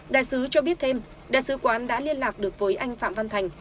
đại sứ cho biết thêm đại sứ quán đã liên lạc được với anh phạm văn thành